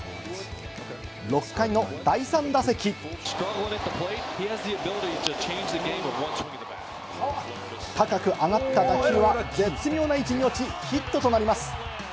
６回の第３打席、高く上がった打球は絶妙な位置に落ちヒットとなります。